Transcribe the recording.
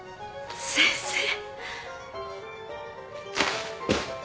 先生。